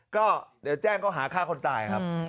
ก็เดี๋ยวแจ้งเขาหาฆ่าคนตายครับ